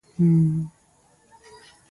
你鍾唔鍾意睇書？